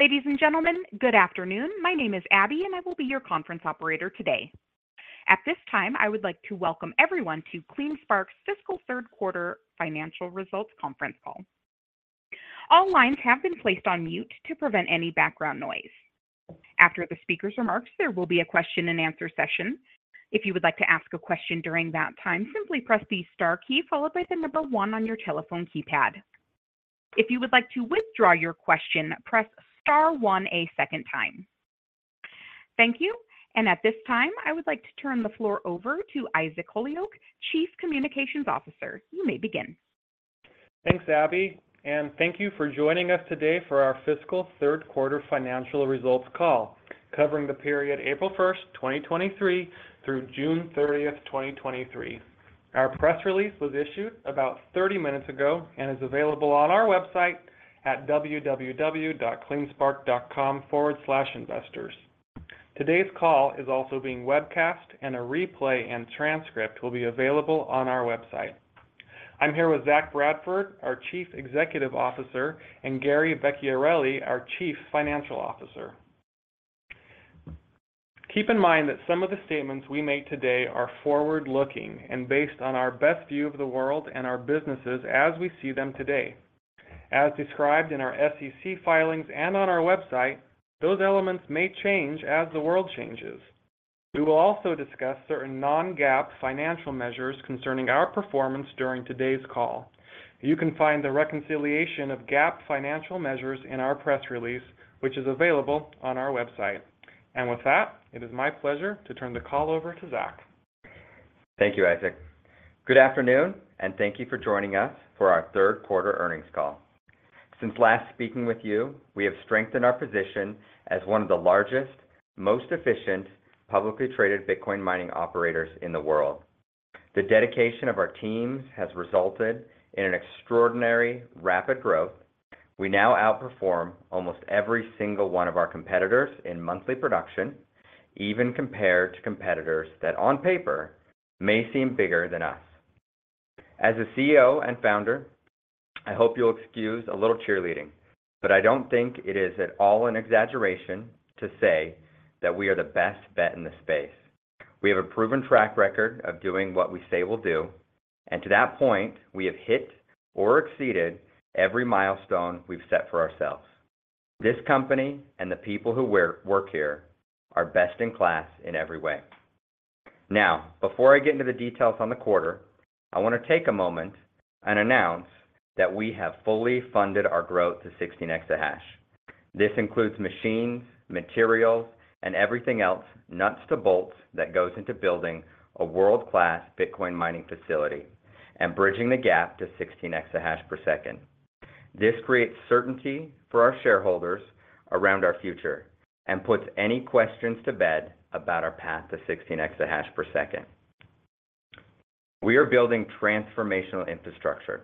Ladies and gentlemen, good afternoon. My name is Abby, and I will be your conference operator today. At this time, I would like to welcome everyone to CleanSpark's Fiscal Third Quarter Financial Results Conference Call. All lines have been placed on mute to prevent any background noise. After the speaker's remarks, there will be a question and answer session. If you would like to ask a question during that time, simply press the star key followed by the one on your telephone keypad. If you would like to withdraw your question, press star one a second time. Thank you. At this time, I would like to turn the floor over to Isaac Holyoak, Chief Communications Officer. You may begin. Thanks, Abby, and thank you for joining us today for our fiscal third quarter financial results call, covering the period April 1, 2023, through June 30, 2023. Our press release was issued about 30 minutes ago and is available on our website at www.cleanspark.com/investors. Today's call is also being webcast, and a replay and transcript will be available on our website. I'm here with Zach Bradford, our Chief Executive Officer, and Gary Vecchiarelli, our Chief Financial Officer. Keep in mind that some of the statements we make today are forward-looking and based on our best view of the world and our businesses as we see them today. As described in our SEC filings and on our website, those elements may change as the world changes. We will also discuss certain non-GAAP financial measures concerning our performance during today's call. You can find the reconciliation of GAAP financial measures in our press release, which is available on our website. With that, it is my pleasure to turn the call over to Zach. Thank you, Isaac. Good afternoon, and thank you for joining us for our third quarter earnings call. Since last speaking with you, we have strengthened our position as one of the largest, most efficient, publicly traded Bitcoin mining operators in the world. The dedication of our teams has resulted in an extraordinary rapid growth. We now outperform almost every single one of our competitors in monthly production, even compared to competitors that, on paper, may seem bigger than us. As a CEO and founder, I hope you'll excuse a little cheerleading, but I don't think it is at all an exaggeration to say that we are the best bet in the space. We have a proven track record of doing what we say we'll do, and to that point, we have hit or exceeded every milestone we've set for ourselves. This company and the people who work here are best-in-class in every way. Now, before I get into the details on the quarter, I want to take a moment and announce that we have fully funded our growth to 16 exahash. This includes machines, materials, and everything else, nuts to bolts, that goes into building a world-class Bitcoin mining facility and bridging the gap to 16 exahash per second. This creates certainty for our shareholders around our future and puts any questions to bed about our path to 16 exahash per second. We are building transformational infrastructure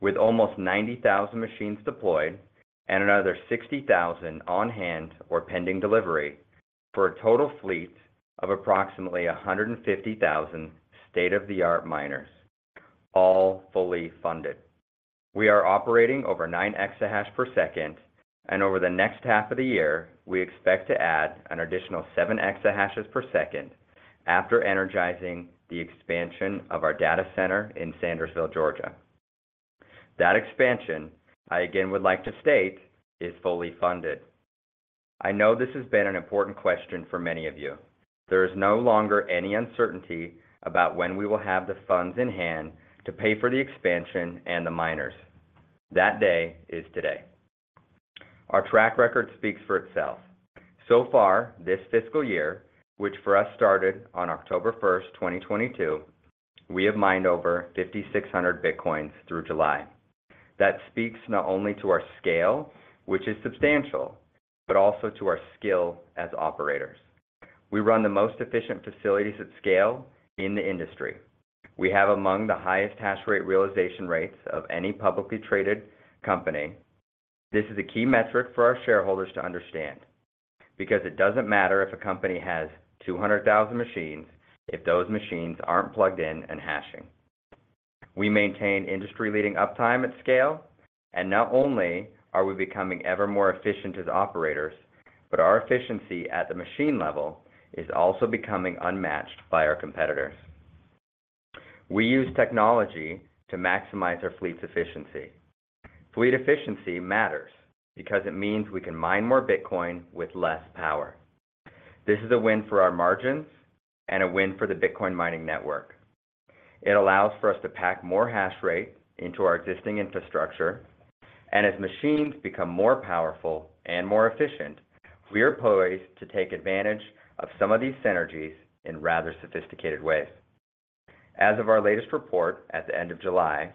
with almost 90,000 machines deployed and another 60,000 on hand or pending delivery, for a total fleet of approximately 150,000 state-of-the-art miners, all fully funded. We are operating over nine exahash per second. Over the next half of the year, we expect to add an additional seven exahashes per second after energizing the expansion of our data center in Sandersville, Georgia. That expansion, I again would like to state, is fully funded. I know this has been an important question for many of you. There is no longer any uncertainty about when we will have the funds in hand to pay for the expansion and the miners. That day is today. Our track record speaks for itself. So far, this fiscal year, which for us started on October 1, 2022, we have mined over 5,600 bitcoins through July. That speaks not only to our scale, which is substantial, but also to our skill as operators. We run the most efficient facilities at scale in the industry. We have among the highest hash rate realization rates of any publicly traded company. This is a key metric for our shareholders to understand, because it doesn't matter if a company has 200,000 machines, if those machines aren't plugged in and hashing. We maintain industry-leading uptime at scale. Not only are we becoming ever more efficient as operators, but our efficiency at the machine level is also becoming unmatched by our competitors. We use technology to maximize our fleet's efficiency. Fleet efficiency matters because it means we can mine more Bitcoin with less power. This is a win for our margins and a win for the Bitcoin mining network. It allows for us to pack more hash rate into our existing infrastructure. As machines become more powerful and more efficient, we are poised to take advantage of some of these synergies in rather sophisticated ways. As of our latest report at the end of July,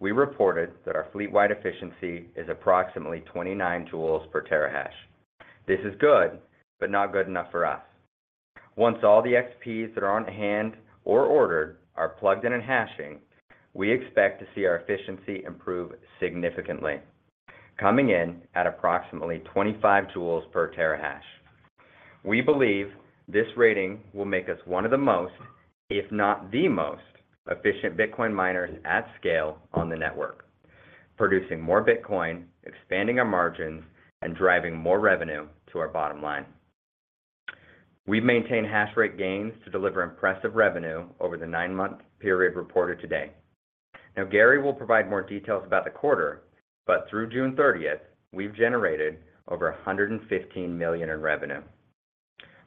we reported that our fleet-wide efficiency is approximately 29 joules per terahash. This is good, but not good enough for us. Once all the XPs that are on hand or ordered are plugged in and hashing, we expect to see our efficiency improve significantly, coming in at approximately 25 joules per terahash. We believe this rating will make us one of the most, if not the most, efficient Bitcoin miners at scale on the network, producing more Bitcoin, expanding our margins, and driving more revenue to our bottom line. We've maintained hash rate gains to deliver impressive revenue over the nine-month period reported today. Gary will provide more details about the quarter, but through June 30th, we've generated over $115 million in revenue.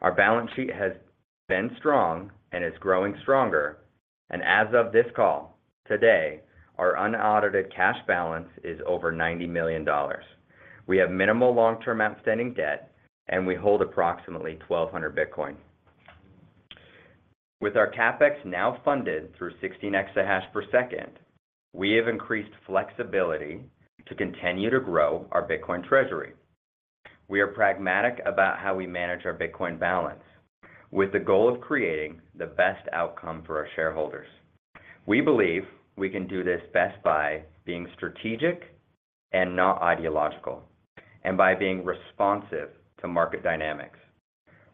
Our balance sheet has been strong and is growing stronger, and as of this call, today, our unaudited cash balance is over $90 million. We have minimal long-term outstanding debt, and we hold approximately 1,200 Bitcoin. With our CapEx now funded through 16 exahash per second, we have increased flexibility to continue to grow our Bitcoin treasury. We are pragmatic about how we manage our Bitcoin balance, with the goal of creating the best outcome for our shareholders. We believe we can do this best by being strategic and not ideological, and by being responsive to market dynamics.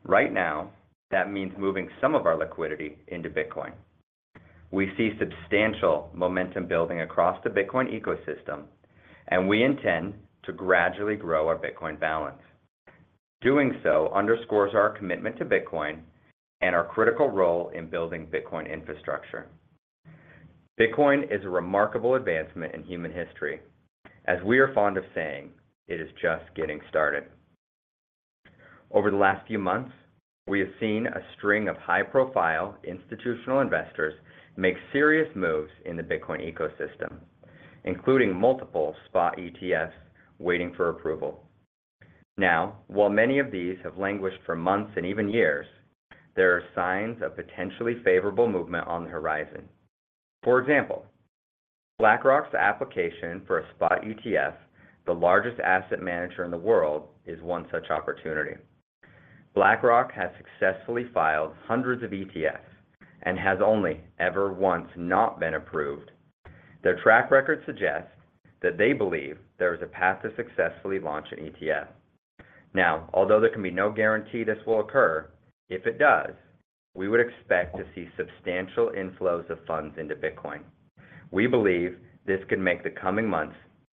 Right now, that means moving some of our liquidity into Bitcoin. We see substantial momentum building across the Bitcoin ecosystem, and we intend to gradually grow our Bitcoin balance. Doing so underscores our commitment to Bitcoin and our critical role in building Bitcoin infrastructure. Bitcoin is a remarkable advancement in human history. As we are fond of saying, it is just getting started. Over the last few months, we have seen a string of high-profile institutional investors make serious moves in the Bitcoin ecosystem, including multiple spot ETFs waiting for approval. Now, while many of these have languished for months and even years, there are signs of potentially favorable movement on the horizon. For example, BlackRock's application for a spot ETF, the largest asset manager in the world, is one such opportunity. BlackRock has successfully filed hundreds of ETFs and has only ever once not been approved. Their track record suggests that they believe there is a path to successfully launch an ETF. Now, although there can be no guarantee this will occur, if it does, we would expect to see substantial inflows of funds into Bitcoin. We believe this could make the coming months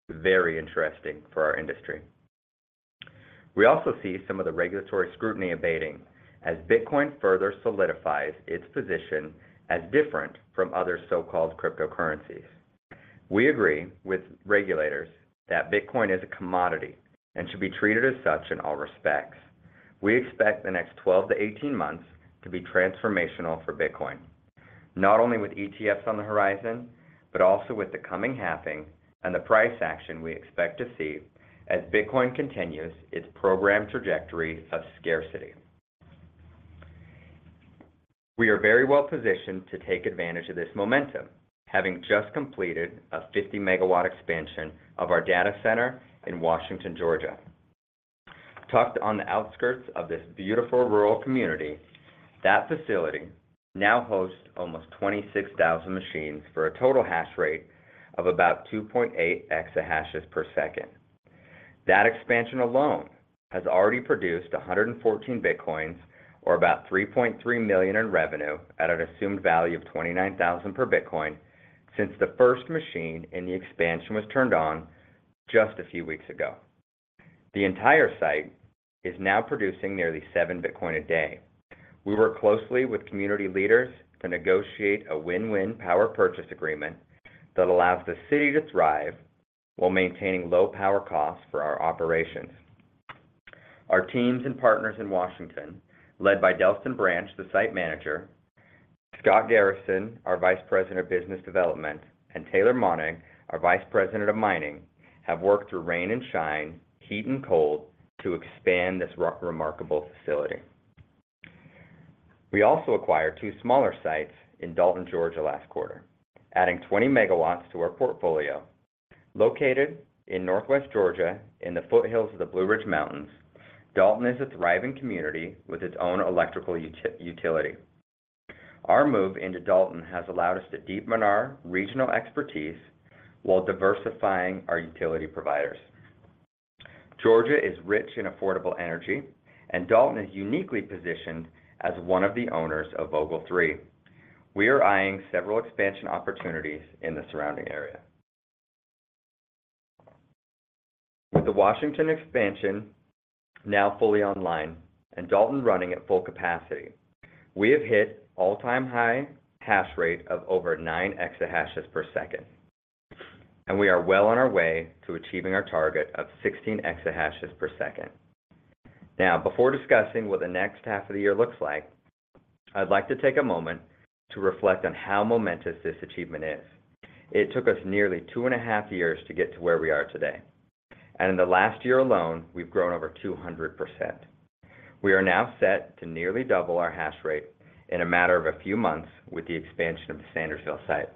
very interesting for our industry. We also see some of the regulatory scrutiny abating as Bitcoin further solidifies its position as different from other so-called cryptocurrencies. We agree with regulators that Bitcoin is a commodity and should be treated as such in all respects. We expect the next 12 to 18 months to be transformational for Bitcoin, not only with ETFs on the horizon, but also with the coming halving and the price action we expect to see as Bitcoin continues its program trajectory of scarcity. We are very well-positioned to take advantage of this momentum, having just completed a 50-megawatt expansion of our data center in Washington, Georgia. Tucked on the outskirts of this beautiful rural community, that facility now hosts almost 26,000 machines for a total hash rate of about 2.8 exahashes per second. That expansion alone has already produced 114 Bitcoins, or about $3.3 million in revenue at an assumed value of $29,000 per Bitcoin, since the 1st machine in the expansion was turned on just a few weeks ago. The entire site is now producing nearly seven Bitcoin a day. We work closely with community leaders to negotiate a win-win power purchase agreement that allows the city to thrive while maintaining low power costs for our operations. Our teams and partners in Washington, led by Dalston Branch, the site manager, Scott Garrison, our Vice President of Business Development, and Taylor Monnig, our Vice President of Mining, have worked through rain and shine, heat and cold to expand this remarkable facility. We also acquired 2 smaller sites in Dalton, Georgia, last quarter, adding 20 megawatts to our portfolio. Located in Northwest Georgia, in the foothills of the Blue Ridge Mountains, Dalton is a thriving community with its own electrical utility. Our move into Dalton has allowed us to deepen our regional expertise while diversifying our utility providers. Georgia is rich in affordable energy, Dalton is uniquely positioned as one of the owners of Vogtle 3. We are eyeing several expansion opportunities in the surrounding area. With the Washington expansion now fully online and Dalton running at full capacity, we have hit all-time high hash rate of over nine exahashes per second, we are well on our way to achieving our target of 16 exahashes per second. Before discussing what the next half of the year looks like, I'd like to take a moment to reflect on how momentous this achievement is. It took us nearly two and a half years to get to where we are today, and in the last year alone, we've grown over 200%. We are now set to nearly double our hash rate in a matter of a few months with the expansion of the Sandersville site.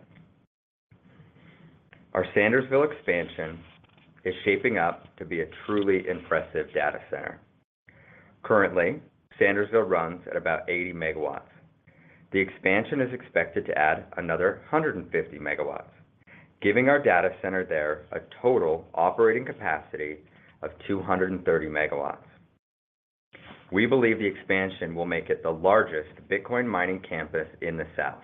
Our Sandersville expansion is shaping up to be a truly impressive data center. Currently, Sandersville runs at about 80 megawatts. The expansion is expected to add another 150 megawatts, giving our data center there a total operating capacity of 230 megawatts. We believe the expansion will make it the largest Bitcoin mining campus in the South.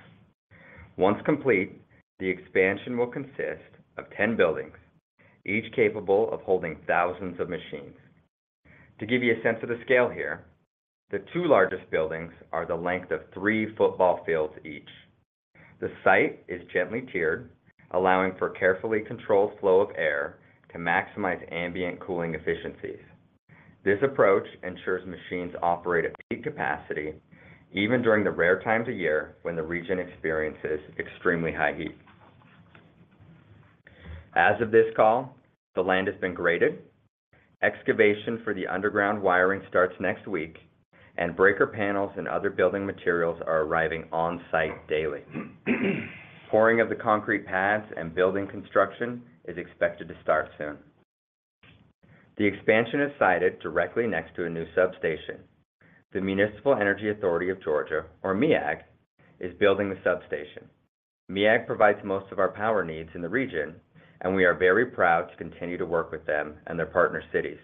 Once complete, the expansion will consist of 10 buildings, each capable of holding thousands of machines. To give you a sense of the scale here, the two largest buildings are the length of three football fields each. The site is gently tiered, allowing for a carefully controlled flow of air to maximize ambient cooling efficiencies. This approach ensures machines operate at peak capacity, even during the rare times a year when the region experiences extremely high heat. As of this call, the land has been graded. Excavation for the underground wiring starts next week, and breaker panels and other building materials are arriving on site daily. Pouring of the concrete pads and building construction is expected to start soon. The expansion is sited directly next to a new substation. The Municipal Electric Authority of Georgia, or MEAG, is building the substation. MEAG provides most of our power needs in the region, and we are very proud to continue to work with them and their partner cities.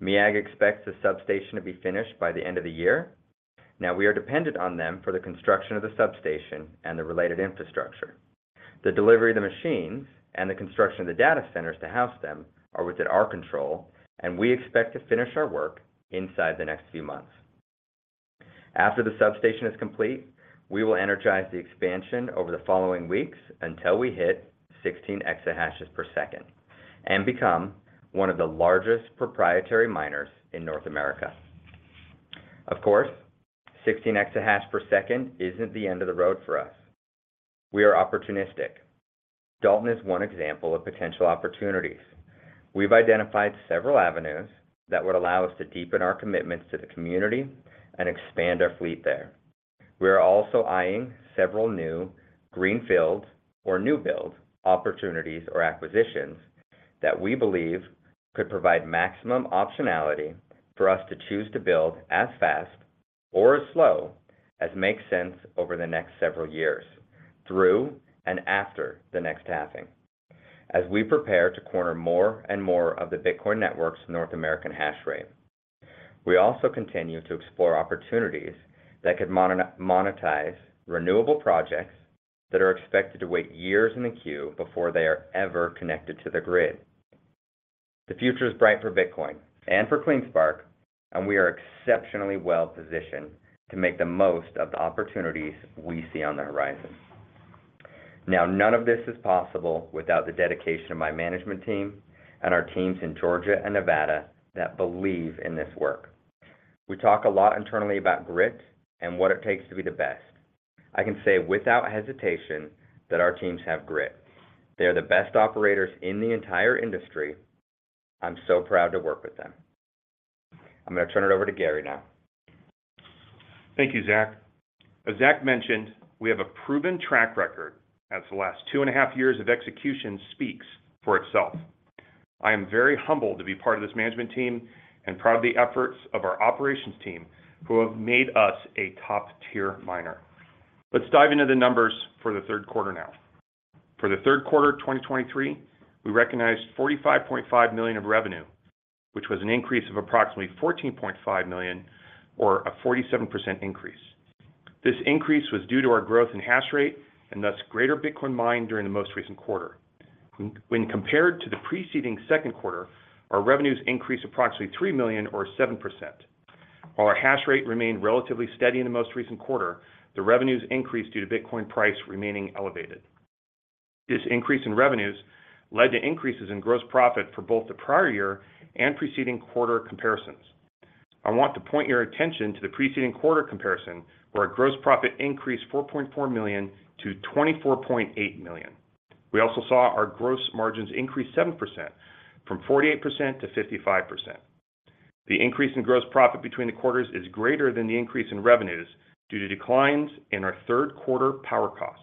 MEAG expects the substation to be finished by the end of the year. We are dependent on them for the construction of the substation and the related infrastructure. The delivery of the machines and the construction of the data centers to house them are within our control, and we expect to finish our work inside the next few months. After the substation is complete, we will energize the expansion over the following weeks until we hit 16 exahashes per second and become one of the largest proprietary miners in North America. Of course, 16 exahash per second isn't the end of the road for us. We are opportunistic. Dalton is one example of potential opportunities. We've identified several avenues that would allow us to deepen our commitments to the community and expand our fleet there. We are also eyeing several new greenfield or new build opportunities or acquisitions that we believe could provide maximum optionality for us to choose to build as fast or as slow as makes sense over the next several years, through and after the next halving, as we prepare to corner more and more of the Bitcoin network's North American hash rate. We also continue to explore opportunities that could monetize renewable projects that are expected to wait years in the queue before they are ever connected to the grid. The future is bright for Bitcoin and for CleanSpark, and we are exceptionally well positioned to make the most of the opportunities we see on the horizon. Now, none of this is possible without the dedication of my management team and our teams in Georgia and Nevada that believe in this work. We talk a lot internally about grit and what it takes to be the best. I can say without hesitation that our teams have grit. They are the best operators in the entire industry. I'm so proud to work with them. I'm going to turn it over to Gary now. Thank you, Zach. As Zach mentioned, we have a proven track record as the last two and a half years of execution speaks for itself. I am very humbled to be part of this management team and proud of the efforts of our operations team, who have made us a top-tier miner. Let's dive into the numbers for the third quarter now. For the third quarter of 2023, we recognized $45.5 million of revenue, which was an increase of approximately $14.5 million, or a 47% increase. This increase was due to our growth in hash rate and thus greater Bitcoin mined during the most recent quarter. When compared to the preceding second quarter, our revenues increased approximately $3 million or 7%. While our hash rate remained relatively steady in the most recent quarter, the revenues increased due to Bitcoin price remaining elevated. This increase in revenues led to increases in gross profit for both the prior-year and preceding-quarter comparisons. I want to point your attention to the preceding-quarter comparison, where our gross profit increased $4.4 million to $24.8 million. We also saw our gross margins increase 7%, from 48%-55%. The increase in gross profit between the quarters is greater than the increase in revenues due to declines in our third quarter power costs.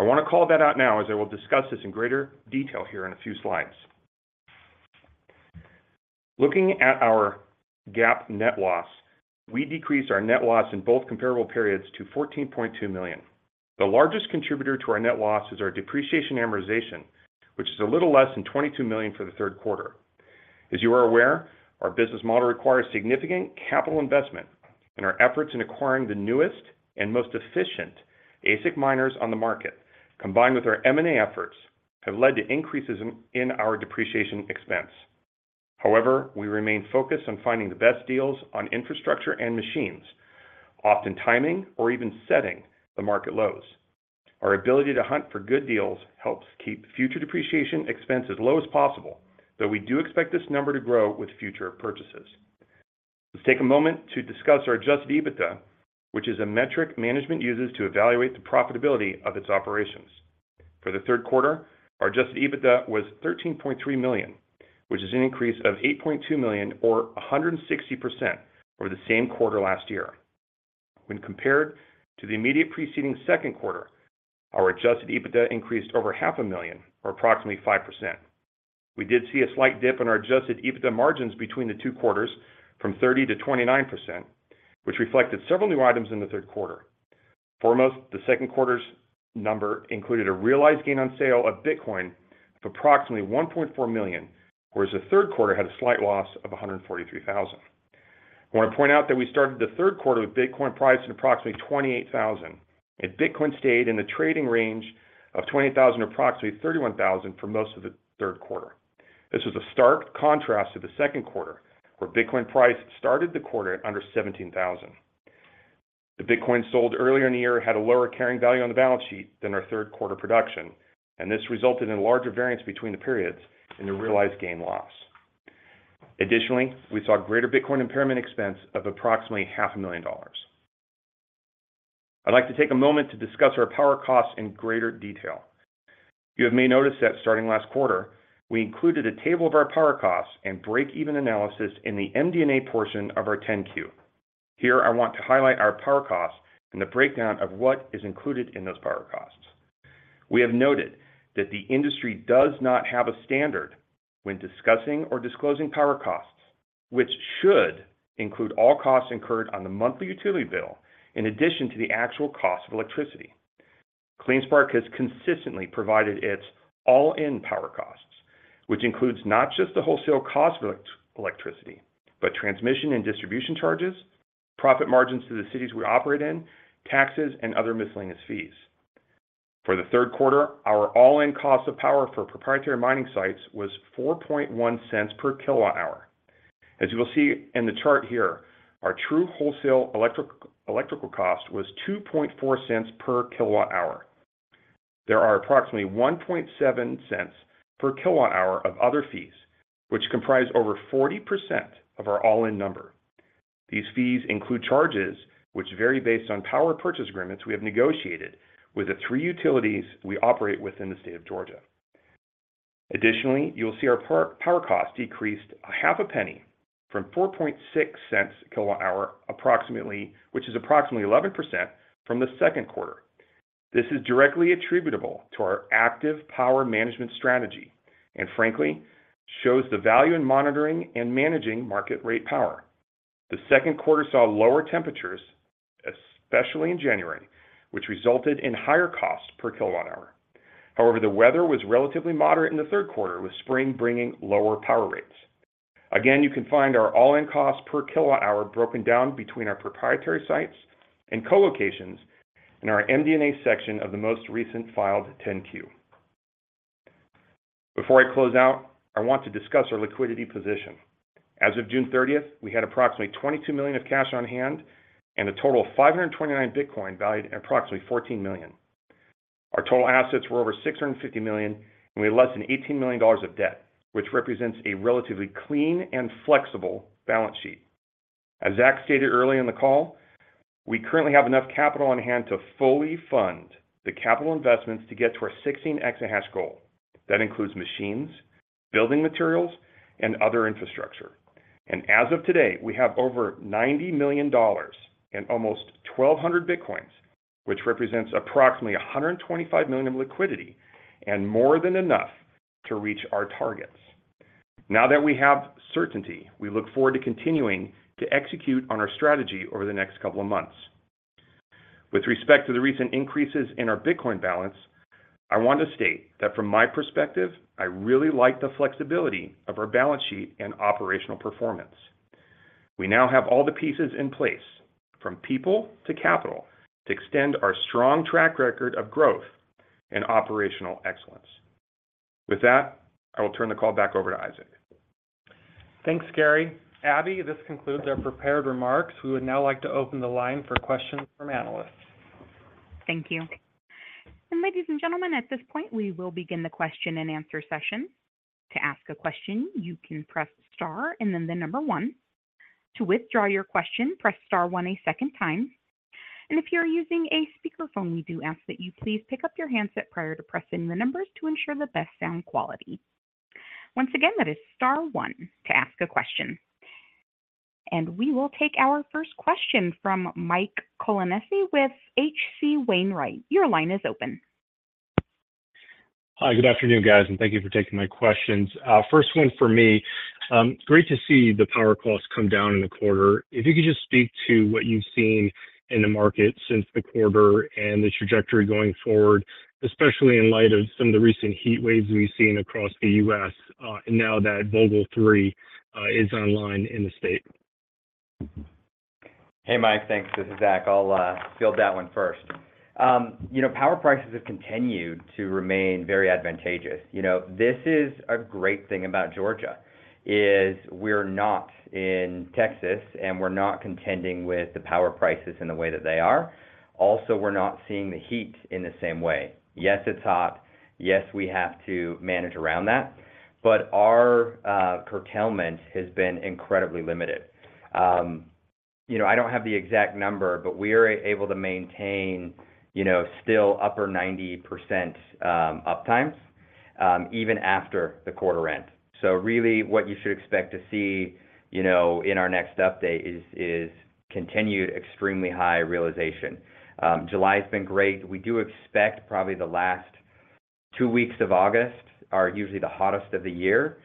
I want to call that out now, as I will discuss this in greater detail here in a few slides. Looking at our GAAP net loss, we decreased our net loss in both comparable periods to $14.2 million. The largest contributor to our net loss is our Depreciation Amortization, which is a little less than $22 million for the third quarter. As you are aware, our business model requires significant capital investment, and our efforts in acquiring the newest and most efficient ASIC miners on the market, combined with our M&A efforts, have led to increases in our depreciation expense. However, we remain focused on finding the best deals on infrastructure and machines, often timing or even setting the market lows. Our ability to hunt for good deals helps keep future depreciation expenses low as possible, though we do expect this number to grow with future purchases. Let's take a moment to discuss our Adjusted EBITDA, which is a metric management uses to evaluate the profitability of its operations. For the third quarter, our Adjusted EBITDA was $13.3 million, which is an increase of $8.2 million or 160% over the same quarter last year. When compared to the immediate preceding second quarter, our Adjusted EBITDA increased over $500,000 or approximately 5%. We did see a slight dip in our Adjusted EBITDA margins between the two quarters, from 30%-29%, which reflected several new items in the third quarter. The second quarter's number included a realized gain on sale of Bitcoin of approximately $1.4 million, whereas the third quarter had a slight loss of $143,000. I want to point out that we started the third quarter with Bitcoin priced at approximately $28,000, and Bitcoin stayed in a trading range of $20,000-$31,000 for most of the third quarter. This was a stark contrast to the second quarter, where Bitcoin price started the quarter at under $17,000. The Bitcoin sold earlier in the year had a lower carrying value on the balance sheet than our third quarter production. This resulted in larger variance between the periods and a realized gain loss. Additionally, we saw greater Bitcoin impairment expense of approximately $500,000. I'd like to take a moment to discuss our power costs in greater detail. You have may noticed that starting last quarter, we included a table of our power costs and break-even analysis in the MD&A portion of our 10-Q. Here, I want to highlight our power costs and the breakdown of what is included in those power costs. We have noted that the industry does not have a standard when discussing or disclosing power costs, which should include all costs incurred on the monthly utility bill in addition to the actual cost of electricity. CleanSpark has consistently provided its all-in power costs, which includes not just the wholesale cost of electricity, but transmission and distribution charges, profit margins to the cities we operate in, taxes, and other miscellaneous fees. For the third quarter, our all-in cost of power for proprietary mining sites was $0.041 per kilowatt-hour. As you will see in the chart here, our true wholesale electrical cost was $0.024 per kilowatt-hour. There are approximately $0.017 per kilowatt-hour of other fees, which comprise over 40% of our all-in number. These fees include charges which vary based on power purchase agreements we have negotiated with the three utilities we operate within the state of Georgia. Additionally, you will see our power cost decreased $0.005 from $0.046 per kilowatt-hour, which is approximately 11% from the second quarter. This is directly attributable to our active power management strategy, frankly, shows the value in monitoring and managing market rate power. The second quarter saw lower temperatures, especially in January, which resulted in higher cost per kilowatt-hour. The weather was relatively moderate in the third quarter, with spring bringing lower power rates. You can find our all-in cost per kilowatt-hour broken down between our proprietary sites and co-locations in our MD&A section of the most recent filed 10-Q. Before I close out, I want to discuss our liquidity position. As of June 30th, we had approximately $22 million of cash on hand and a total of 529 Bitcoin, valued at approximately $14 million. Our total assets were over $650 million, and we had less than $18 million of debt, which represents a relatively clean and flexible balance sheet. As Zach stated earlier in the call, we currently have enough capital on hand to fully fund the capital investments to get to our 16 exahash goal. That includes machines, building materials, and other infrastructure. As of today, we have over $90 million and almost 1,200 Bitcoins, which represents approximately $125 million of liquidity and more than enough to reach our targets. Now that we have certainty, we look forward to continuing to execute on our strategy over the next couple of months. With respect to the recent increases in our Bitcoin balance, I want to state that from my perspective, I really like the flexibility of our balance sheet and operational performance. We now have all the pieces in place, from people to capital, to extend our strong track record of growth and operational excellence. With that, I will turn the call back over to Isaac. Thanks, Gary. Abby, this concludes our prepared remarks. We would now like to open the line for questions from analysts. Thank you. Ladies and gentlemen, at this point, we will begin the question and answer session. To ask a question, you can press star and then the number one. To withdraw your question, press star one a second time, and if you are using a speakerphone, we do ask that you please pick up your handset prior to pressing the numbers to ensure the best sound quality. Once again, that is star one to ask a question. We will take our first question from Mike Colonnese with H.C. Wainwright. Your line is open. Hi, good afternoon, guys, and thank you for taking my questions. First one for me, great to see the power costs come down in the quarter. If you could just speak to what you've seen in the market since the quarter and the trajectory going forward, especially in light of some of the recent heat waves we've seen across the U.S., and now that Vogtle 3 is online in the state. Hey, Mike. Thanks. This is Zach. I'll field that one first. You know, power prices have continued to remain very advantageous. You know, this is a great thing about Georgia, is we're not in Texas, and we're not contending with the power prices in the way that they are. We're not seeing the heat in the same way. Yes, it's hot. Yes, we have to manage around that, but our curtailment has been incredibly limited. You know, I don't have the exact number, but we are able to maintain, you know, still upper 90% uptimes, even after the quarter end. Really, what you should expect to see, you know, in our next update is continued extremely high realization. July has been great. We do expect probably the last-... two weeks of August are usually the hottest of the year,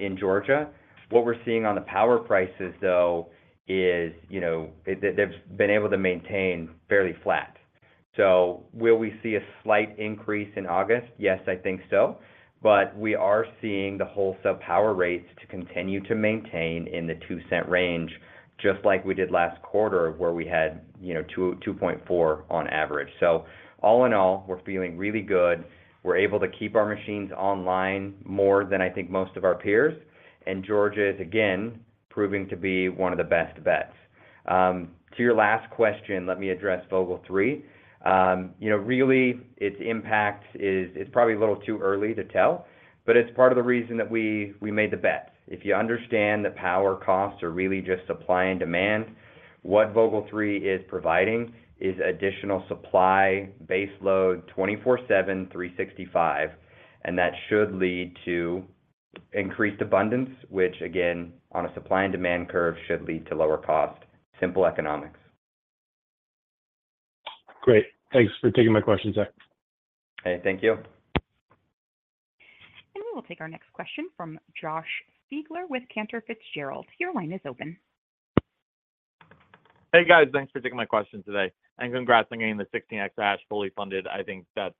in Georgia. What we're seeing on the power prices, though, is, you know, they, they've been able to maintain fairly flat. Will we see a slight increase in August? Yes, I think so, but we are seeing the wholesale power rates to continue to maintain in the $0.02 range, just like we did last quarter, where we had, you know, $0.02-$0.024 on average. All in all, we're feeling really good. We're able to keep our machines online more than I think most of our peers, and Georgia is, again, proving to be one of the best bets. To your last question, let me address Vogtle 3. you know, really, its impact is, it's probably a little too early to tell, but it's part of the reason that we, we made the bet. If you understand the power costs are really just supply and demand, what Vogtle 3 is providing is additional supply, base load, 24/7, 365. That should lead to increased abundance, which again, on a supply and demand curve, should lead to lower cost. Simple economics. Great. Thanks for taking my question, Zach. Hey, thank you. We will take our next question from Josh Siegler with Cantor Fitzgerald. Your line is open. Hey, guys. Thanks for taking my question today. Congrats on getting the 16 exahash fully funded. I think that's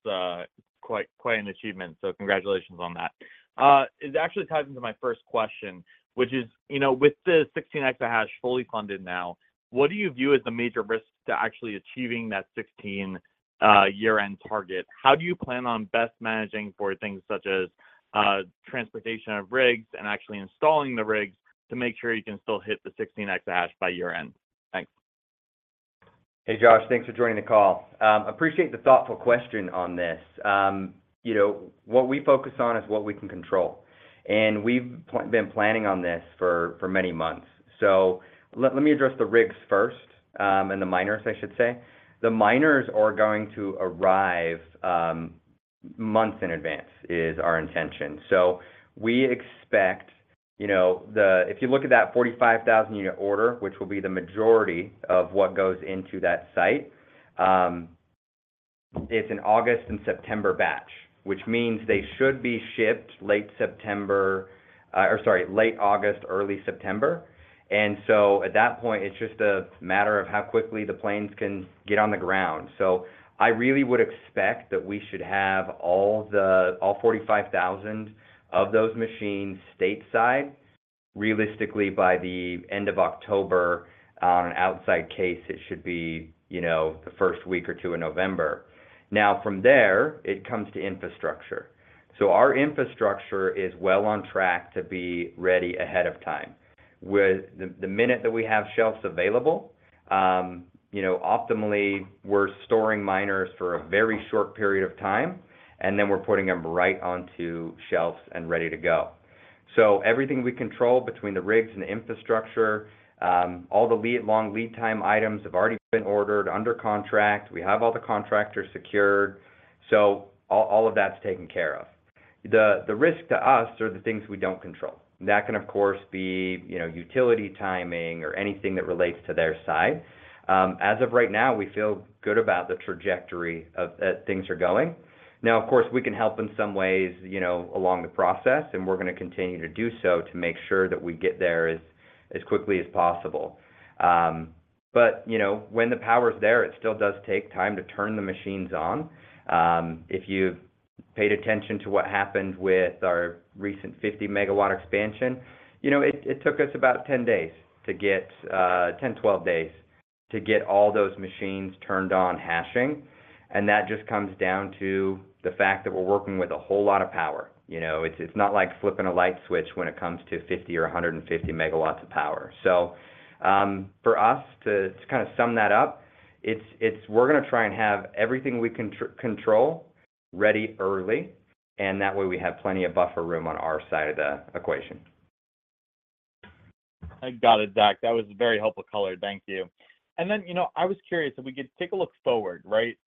quite, quite an achievement, so congratulations on that. It actually ties into my first question, which is, you know, with the 16 exahash fully funded now, what do you view as the major risk to actually achieving that 16 year-end target? How do you plan on best managing for things such as transportation of rigs and actually installing the rigs to make sure you can still hit the 16 exahash by year-end? Thanks. Hey, Josh, thanks for joining the call. Appreciate the thoughtful question on this. You know, what we focus on is what we can control, and we've been planning on this for, for many months. Let me address the rigs first, and the miners, I should say. The miners are going to arrive, months in advance, is our intention. We expect, you know, the-- if you look at that 45,000 unit order, which will be the majority of what goes into that site, it's an August and September batch, which means they should be shipped late September, or sorry, late August, early September. At that point, it's just a matter of how quickly the planes can get on the ground. I really would expect that we should have all 45,000 of those machines stateside, realistically, by the end of October. On an outside case, it should be, you know, the first week or two in November. From there, it comes to infrastructure. Our infrastructure is well on track to be ready ahead of time. The minute that we have shelves available, you know, optimally, we're storing miners for a very short period of time, and then we're putting them right onto shelves and ready to go. Everything we control between the rigs and the infrastructure, all the lead-long lead time items have already been ordered under contract. We have all the contractors secured, all of that's taken care of. The, the risk to us are the things we don't control. That can, of course, be, you know, utility timing or anything that relates to their side. As of right now, we feel good about the trajectory of, that things are going. Now, of course, we can help in some ways, you know, along the process, and we're gonna continue to do so to make sure that we get there as, as quickly as possible. But, you know, when the power is there, it still does take time to turn the machines on. If you've paid attention to what happened with our recent 50-megawatt expansion, you know, it, it took us about 10 days to get, 10-12 days, to get all those machines turned on hashing. That just comes down to the fact that we're working with a whole lot of power. You know, it's, it's not like flipping a light switch when it comes to 50 or 150 megawatts of power. For us, to, to kinda sum that up, it's, it's we're gonna try and have everything we control ready early, and that way, we have plenty of buffer room on our side of the equation. I got it, Zach. That was a very helpful color. Thank you. Then, you know, I was curious if we could take a look forward, right?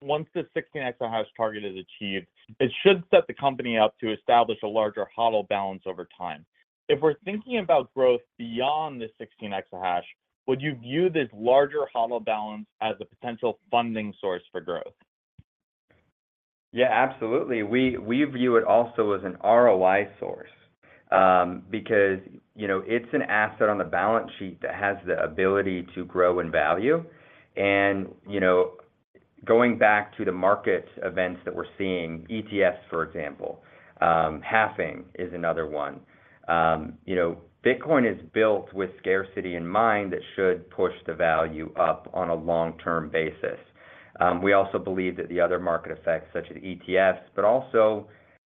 Once the 16 exahash target is achieved, it should set the company up to establish a larger HODL balance over time. If we're thinking about growth beyond the 16 exahash, would you view this larger HODL balance as a potential funding source for growth? Yeah, absolutely. We, we view it also as an ROI source, because, you know, it's an asset on the balance sheet that has the ability to grow in value and, you know, going back to the market events that we're seeing, ETFs, for example, halving is another one. You know, Bitcoin is built with scarcity in mind that should push the value up on a long-term basis. We also believe that the other market effects, such as ETFs, but also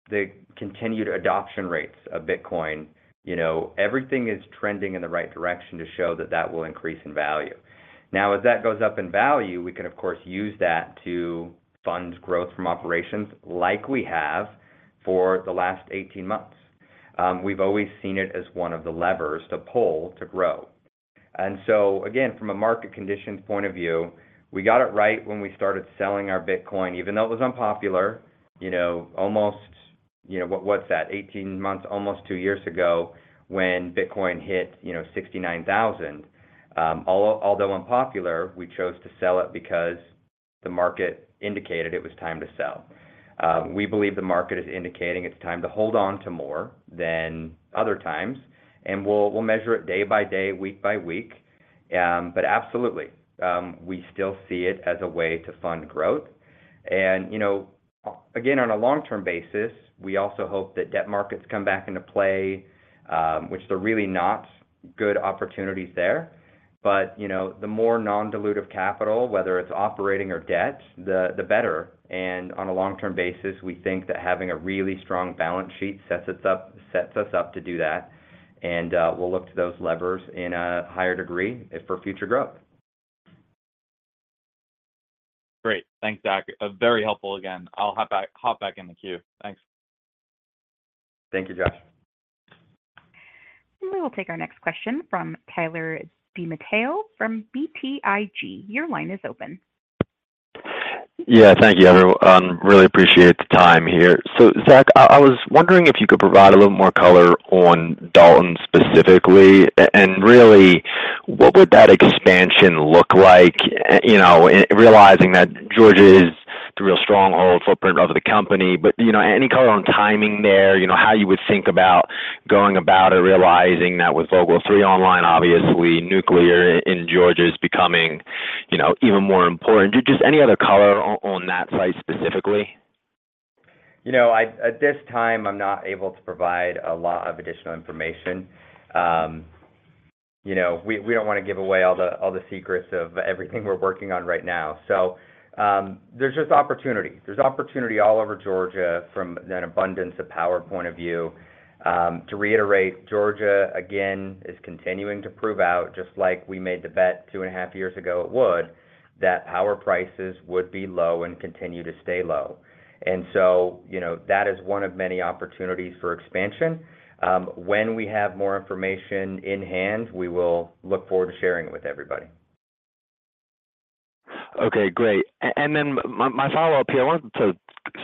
the continued adoption rates of Bitcoin, you know, everything is trending in the right direction to show that that will increase in value. Now, as that goes up in value, we can, of course, use that to fund growth from operations like we have for the last 18 months. We've always seen it as one of the levers to pull, to grow. Again, from a market condition point of view, we got it right when we started selling our Bitcoin, even though it was unpopular, you know, almost 18 months, almost one years ago, when Bitcoin hit, you know, $69,000. Although, although unpopular, we chose to sell it because the market indicated it was time to sell. We believe the market is indicating it's time to hold on to more than other times, and we'll, we'll measure it day by day, week by week. Absolutely, we still see it as a way to fund growth. You know, again, on a long-term basis, we also hope that debt markets come back into play, which there are really not good opportunities there. You know, the more non-dilutive capital, whether it's operating or debt, the, the better. On a long-term basis, we think that having a really strong balance sheet sets us up to do that, and we'll look to those levers in a higher degree for future growth. Great. Thanks, Zach. Very helpful again. I'll hop back, hop back in the queue. Thanks. Thank you, Josh. We will take our next question from Tyler DiMatteo from BTIG. Your line is open. Yeah, thank you, everyone. Really appreciate the time here. Zach, I, I was wondering if you could provide a little more color on Dalton specifically. Really, what would that expansion look like? You know, realizing that Georgia is the real stronghold footprint of the company, but, you know, any color on timing there, you know, how you would think about going about it, realizing that with Vogtle 3 online, obviously, nuclear in Georgia is becoming, you know, even more important. Just any other color on that site specifically? You know, I-- at this time, I'm not able to provide a lot of additional information. You know, we, we don't want to give away all the, all the secrets of everything we're working on right now. There's just opportunity. There's opportunity all over Georgia from an abundance of power point of view. To reiterate, Georgia, again, is continuing to prove out, just like we made the bet 2.5 years ago it would, that power prices would be low and continue to stay low. You know, that is one of many opportunities for expansion. When we have more information in hand, we will look forward to sharing it with everybody. Okay, great. And then my, my follow-up here, I wanted to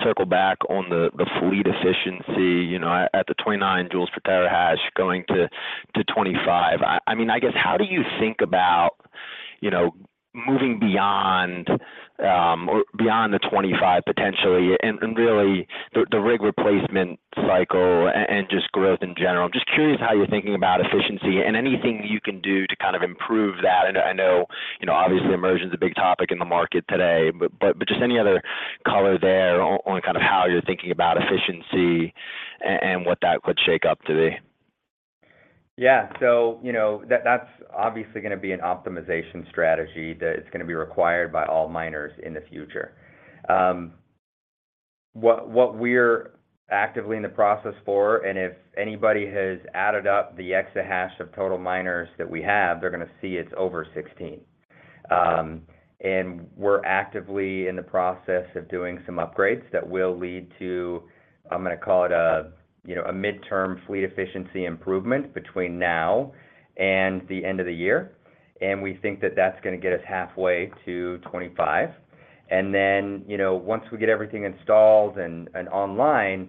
circle back on the, the fleet efficiency, you know, at, at the 29 joules per terahash going to, to 25. I mean, I guess, how do you think about, you know, moving beyond, or beyond the 25, potentially, and really, the, the rig replacement cycle and just growth in general? I'm just curious how you're thinking about efficiency and anything you can do to kind of improve that? I know, you know, obviously immersion is a big topic in the market today, but, but, just any other color there on kind of how you're thinking about efficiency and what that could shake up to be? Yeah. So, you know, that- that's obviously gonna be an optimization strategy that is gonna be required by all miners in the future. What, what we're actively in the process for, and if anybody has added up the exahash of total miners that we have, they're gonna see it's over 16. We're actively in the process of doing some upgrades that will lead to, I'm gonna call it a, you know, a midterm fleet efficiency improvement between now and the end of the year, and we think that that's gonna get us halfway to 25. you know, once we get everything installed and, and online,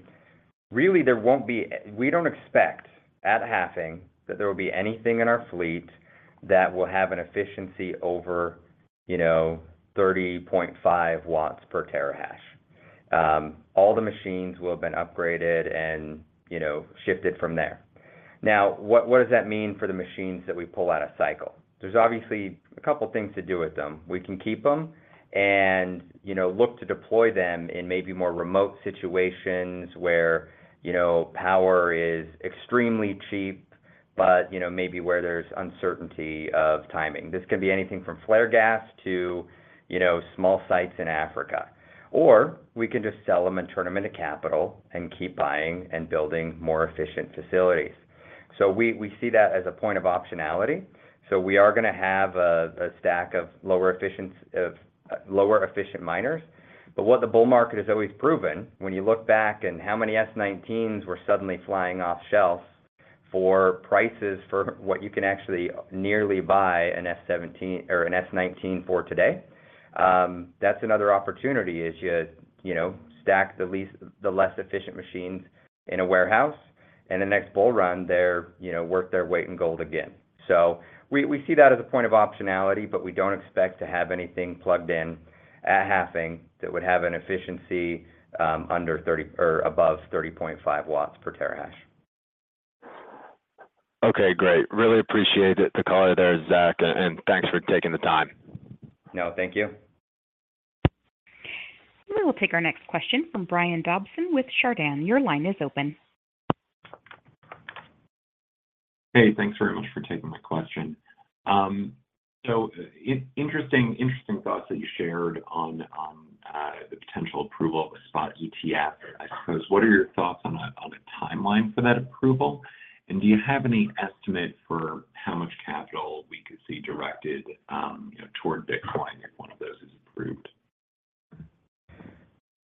really, there won't be... We don't expect at halving, that there will be anything in our fleet that will have an efficiency over, you know, 30.5 watts per terahash. All the machines will have been upgraded and, you know, shifted from there. What, what does that mean for the machines that we pull out of cycle? There's obviously a couple things to do with them. We can keep them and, you know, look to deploy them in maybe more remote situations where, you know, power is extremely cheap, but, you know, maybe where there's uncertainty of timing. This can be anything from flare gas to, you know, small sites in Africa, or we can just sell them and turn them into capital and keep buying and building more efficient facilities. We, we see that as a point of optionality. We are gonna have a, a stack of lower efficiency-- of lower efficient miners. What the bull market has always proven, when you look back at how many S19s were suddenly flying off shelves for prices for what you can actually nearly buy an S17 or an S19 for today, that's another opportunity, is you, you know, stack the least- the less efficient machines in a warehouse, and the next bull run, they're, you know, worth their weight in gold again. We, we see that as a point of optionality, but we don't expect to have anything plugged in at halving that would have an efficiency, under 30 or above 30.5 watts per terahash. Okay, great. Really appreciate the call there, Zach, and thanks for taking the time. No, thank you. We will take our next question from Brian Dobson with Chardan. Your line is open. Hey, thanks very much for taking my question. So interesting, interesting thoughts that you shared on the potential approval of a spot ETF, I suppose. What are your thoughts on a, on a timeline for that approval? Do you have any estimate for how much capital we could see directed, you know, toward Bitcoin if one of those is approved?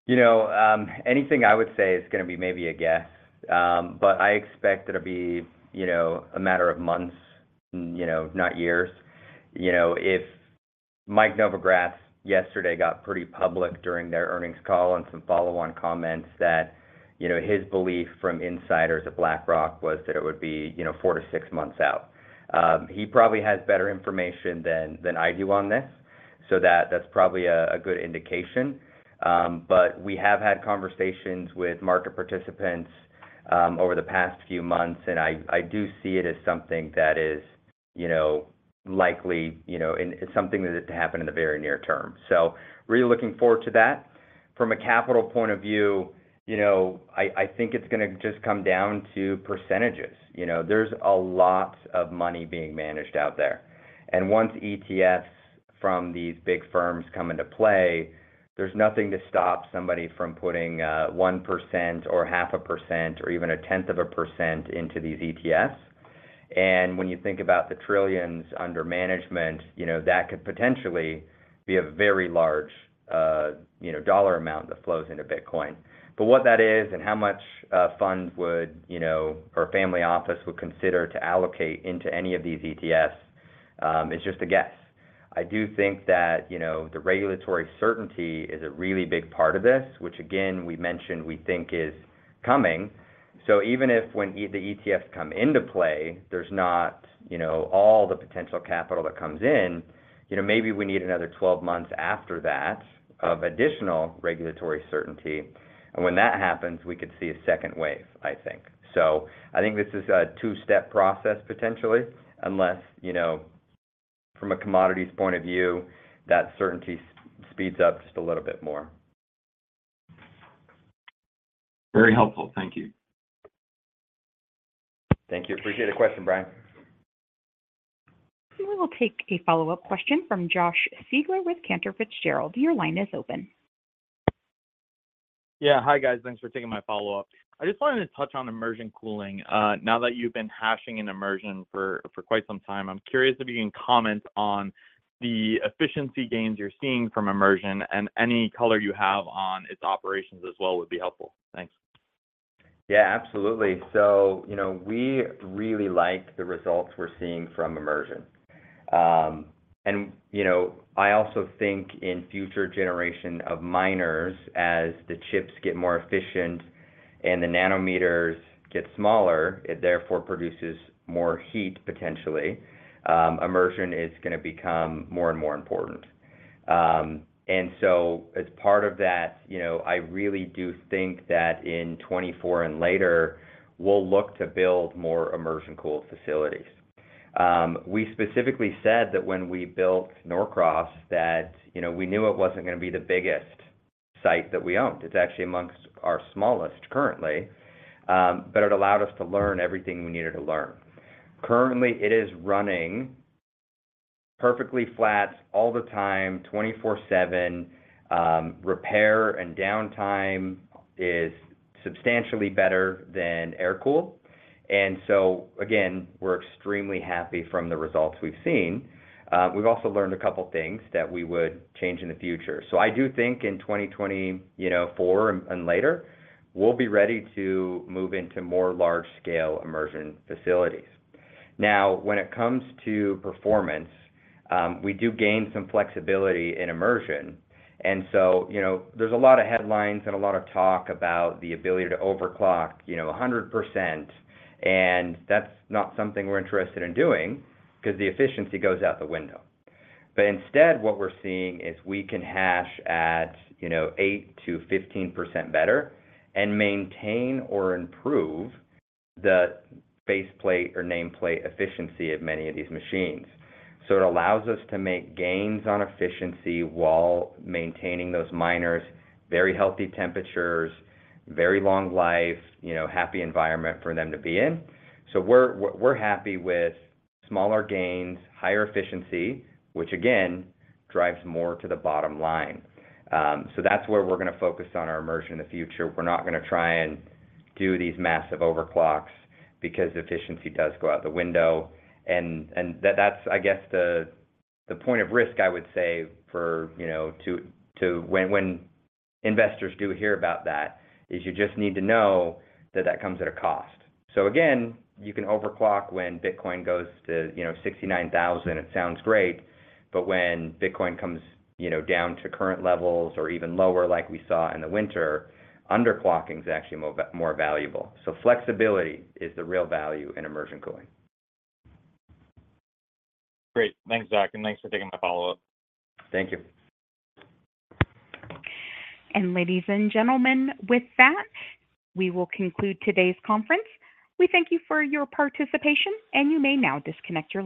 You know, anything I would say is gonna be maybe a guess, but I expect it'll be, you know, a matter of months, you know, not years. You know, Mike Novogratz yesterday got pretty public during their earnings call and some follow-on comments that, you know, his belief from insiders at BlackRock was that it would be, you know, four to six months out. He probably has better information than, than I do on this, so that, that's probably a, a good indication. We have had conversations with market participants over the past few months, and I, I do see it as something that is, you know, likely, you know, and it's something that is to happen in the very near term. Really looking forward to that. From a capital point of view, you know, I, I think it's gonna just come down to percentages. You know, there's a lot of money being managed out there, once ETFs from these big firms come into play, there's nothing to stop somebody from putting 1% or 0.5% or even a 0.1% into these ETFs. When you think about the $ trillions under management, you know, that could potentially be a very large, you know, $ amount that flows into Bitcoin. What that is and how much funds would, you know, or a family office would consider to allocate into any of these ETFs, is just a guess. I do think that, you know, the regulatory certainty is a really big part of this, which again, we mentioned, we think is coming. Even if when the ETFs come into play, there's not, you know, all the potential capital that comes in, you know, maybe we need another 12 months after that of additional regulatory certainty. When that happens, we could see a second wave, I think. I think this is a two-step process, potentially, unless, you know, from a commodities point of view, that certainty speeds up just a little bit more. Very helpful. Thank you. Thank you. Appreciate the question, Brian. We will take a follow-up question from Josh Siegler with Cantor Fitzgerald. Your line is open. Yeah. Hi, guys. Thanks for taking my follow-up. I just wanted to touch on immersion cooling. Now that you've been hashing in immersion for, for quite some time, I'm curious if you can comment on the efficiency gains you're seeing from immersion, and any color you have on its operations as well, would be helpful. Thanks. Yeah, absolutely. You know, we really like the results we're seeing from immersion. You know, I also think in future generation of miners, as the chips get more efficient and the nanometers get smaller, it therefore produces more heat, potentially, immersion is gonna become more and more important. As part of that, you know, I really do think that in 2024 and later, we'll look to build more immersion cool facilities. We specifically said that when we built Norcross, that, you know, we knew it wasn't gonna be the biggest site that we owned. It's actually amongst our smallest currently, but it allowed us to learn everything we needed to learn. Currently, it is running perfectly flat all the time, 24/7. Repair and downtime is substantially better than air cool. Again, we're extremely happy from the results we've seen. We've also learned a couple things that we would change in the future. I do think in 2024 and later, we'll be ready to move into more large-scale immersion facilities. Now, when it comes to performance, we do gain some flexibility in immersion. You know, there's a lot of headlines and a lot of talk about the ability to overclock, you know, 100%, and that's not something we're interested in doing because the efficiency goes out the window. Instead, what we're seeing is we can hash at, you know, 8%-15% better and maintain or improve the faceplate or nameplate efficiency of many of these machines. It allows us to make gains on efficiency while maintaining those miners. Very healthy temperatures, very long life, you know, happy environment for them to be in. We're, we're, we're happy with smaller gains, higher efficiency, which again, drives more to the bottom line. That's where we're gonna focus on our immersion in the future. We're not gonna try and do these massive overclocks because efficiency does go out the window. That, that's, I guess, the, the point of risk, I would say for, you know, when, when investors do hear about that, is you just need to know that that comes at a cost. Again, you can overclock when Bitcoin goes to, you know, 69,000, it sounds great, when Bitcoin comes, you know, down to current levels or even lower, like we saw in the winter, underclocking is actually more valuable. Flexibility is the real value in immersion cooling. Great. Thanks, Zach, and thanks for taking my follow-up. Thank you. Ladies and gentlemen, with that, we will conclude today's conference. We thank you for your participation, and you may now disconnect your lines.